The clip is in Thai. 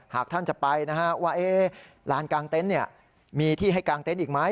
หากท่านจะไปนะฮะว่าลานกลางเต็นต์มีที่ให้กางเต็นต์อีกไหม